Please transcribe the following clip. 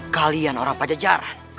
kalian orang pajajaran